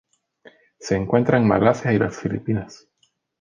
Se encuentra en Malasia y las Filipinas.